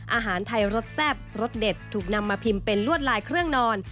อาหารไทยรสแซ่บรสเด็ดถูกนำมาพิมพ์เป็นลวดลายเครื่องนอน